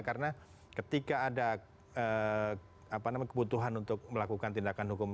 karena ketika ada kebutuhan untuk melakukan tindakan hukum